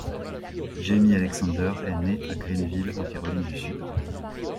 Jaimie Alexander est née à Greenville, en Caroline du Sud.